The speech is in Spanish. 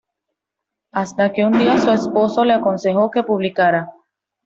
Hasta que un día su esposo le aconsejó que publicara.